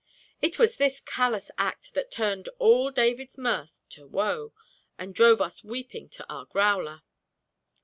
It was this callous act that turned all David's mirth to woe, and drove us weeping to our growler.